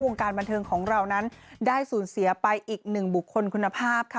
การบันเทิงของเรานั้นได้สูญเสียไปอีกหนึ่งบุคคลคุณภาพค่ะ